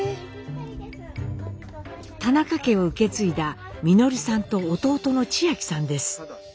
田中家を受け継いだ稔さんと弟の千秋さんです。